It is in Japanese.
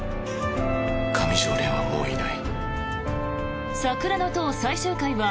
上條漣はもういない。